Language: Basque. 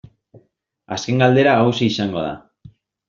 Azken galdera hauxe izango da.